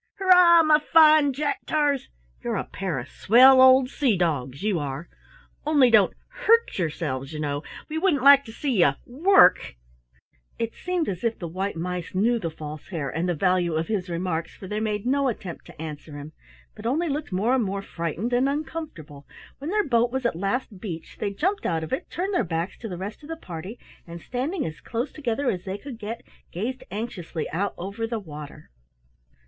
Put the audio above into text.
Hurrah, my fine Jack Tars! You're a pair of swell old sea dogs, you are. Only don't hurt yourselves, you know. We wouldn't like to see you work!" It seemed as if the white mice knew the False Hare and the value of his remarks, for they made no attempt to answer him, but only looked more and more frightened and uncomfortable. When their boat was at last beached, they jumped out of it, turned their backs to the rest of the party, and standing as close together as they could get, gazed anxiously out over the water.